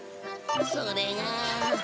それが。